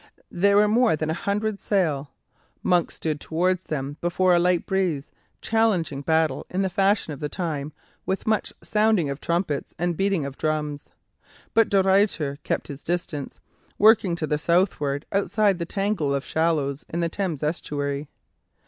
There were more than a hundred sail. Monk stood towards them before a light breeze, challenging battle in the fashion of the time with much sounding of trumpets and beating of drums. But De Ruyter kept his distance, working to the southward outside the tangle of shallows in the Thames estuary.